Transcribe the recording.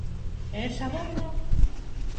_E esa bomba?